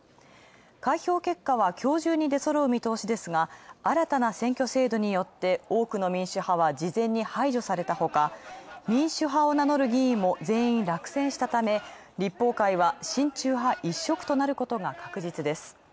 開票結果はきょうじゅうにでそろう見通しですが新たな選挙制度によって多くの民主派は事前に排除されたほか議員も全員落選したため立法会は親中派一色となることが確実です。